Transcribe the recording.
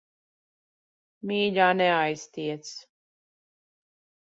Mīļā, neaiztiec.